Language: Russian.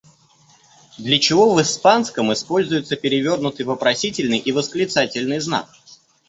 Для чего в испанском используется перевёрнутый вопросительный и восклицательный знак?